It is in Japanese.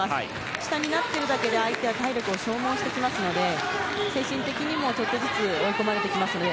下になっているだけで相手は体力を消耗するので精神的にも、ちょっとずつ追い込まれてきますので。